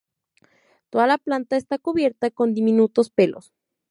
Toda la planta está cubierta con diminutos pelos.